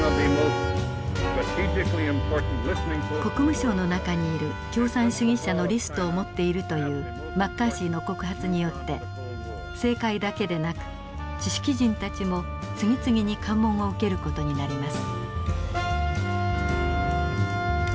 国務省の中にいる共産主義者のリストを持っているというマッカーシーの告発によって政界だけでなく知識人たちも次々に喚問を受ける事になります。